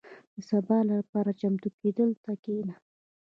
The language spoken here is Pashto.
• د سبا لپاره چمتو کېدو ته کښېنه.